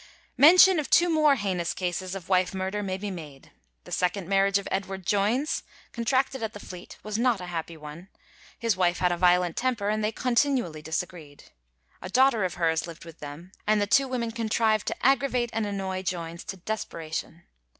Mention of two more heinous cases of wife murder may be made. The second marriage of Edward Joines, contracted at the Fleet, was not a happy one. His wife had a violent temper, and they continually disagreed. A daughter of hers lived with them, and the two women contrived to aggravate and annoy Joines to desperation.